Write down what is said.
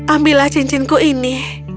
ambillah cincinku ini